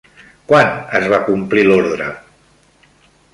Quan es va complir l'ordre?